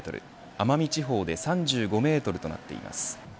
奄美地方で３５メートルとなっています。